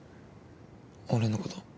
俺のこと。